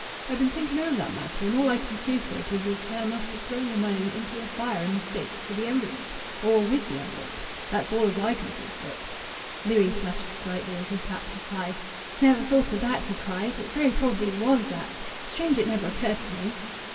I've been thinking o'er that matter, and all I can see for it is as her must ha' thrown th' money into th' fire in mistake for th' envelope, or with th' envelope. That's all as I can see for it." Louis flushed slightly as he slapped his thigh. "Never thought of that!" he cried. "It very probably was that. Strange it never occurred to me!"